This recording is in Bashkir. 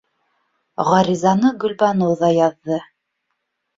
Ғаризаны Гөлбаныу ҙа яҙҙы.